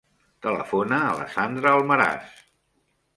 Telefona a la Sandra Almaraz.